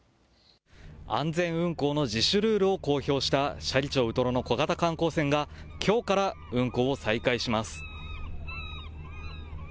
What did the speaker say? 安全運航の自主ルールを公表した斜里町ウトロの小型観光船がきょうから運航を再開します。